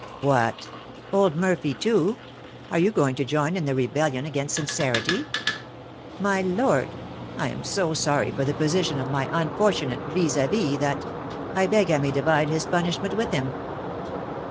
"What! old Murphy, too? Are you going to join in the rebellion against sincerity?" "My lord, I am so sorry for the position of my unfortunate vis à vis, that I beg I may divide his punishment with him."